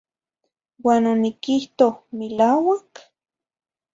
Uan oniquihtoh “milauac? ”